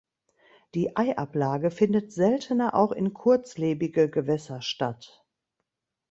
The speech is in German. Die Eiablage findet seltener auch in kurzlebige Gewässer statt.